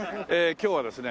今日はですね